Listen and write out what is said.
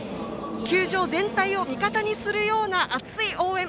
球場全体を味方にするような熱い応援